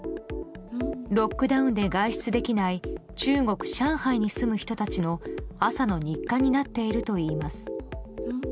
ロックダウンで外出できない中国・上海に住む人たちの朝の日課になっているといいます。